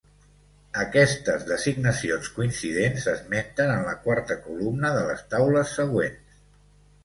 Aquestes designacions coincidents s'esmenten en la quarta columna de les taules següents.